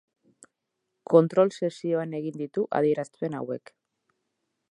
Kontrol sesioan egin ditu adierazpen hauek.